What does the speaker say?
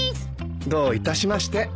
どういたしまして。